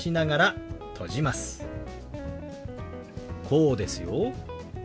こうですよ。